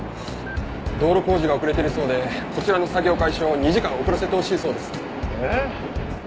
道路工事が遅れてるそうでこちらの作業開始を２時間遅らせてほしいそうです。え？